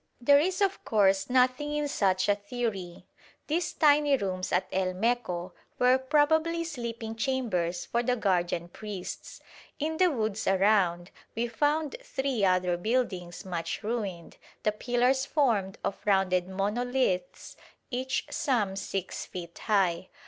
There is of course nothing in such a theory. These tiny rooms at El Meco were probably sleeping chambers for the guardian priests. In the woods around we found three other buildings much ruined, the pillars formed of rounded monoliths each some 6 feet high.